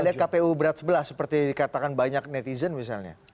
anda lihat kpu berat sebelah seperti dikatakan banyak netizen misalnya